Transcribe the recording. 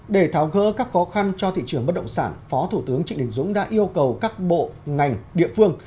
để tháo gỡ các khó khăn cho thị trường bất động sản phó thủ tướng trịnh đình dũng đã yêu cầu các bộ ngành địa phương